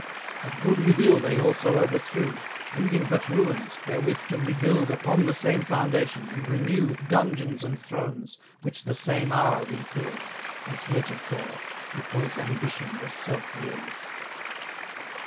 But good with ill they also overthrew, Leaving but ruins, wherewith to rebuild Upon the same foundation, and renew Dungeons and thrones, which the same hour refilled, As heretofore, because ambition was self willed.